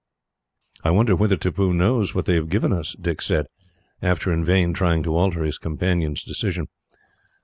"I wonder whether Tippoo knows what they have given us," Dick said, after in vain trying to alter his companion's decision.